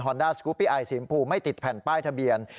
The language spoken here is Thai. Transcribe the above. ดาสกูปปี้ไอสีมพูไม่ติดแผ่นป้ายทะเบียน